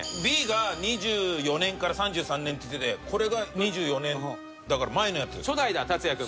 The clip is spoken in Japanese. Ｂが２４年から３３年っつっててこれが２４年だから前のやつ。